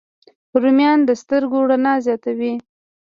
رومیان د سترګو رڼا زیاتوي